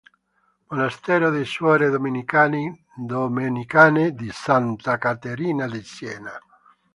Monastero di Suore domenicane di Santa Caterina da Siena.